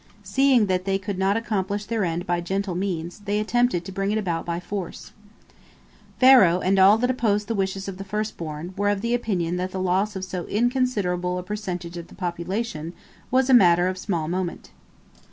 Seeing that they could not accomplish their end by gentle means, they attempted to bring it about by force. Pharaoh and all that opposed the wishes of the first born were of the opinion that the loss of so inconsiderable a percentage of the population was a matter of small moment.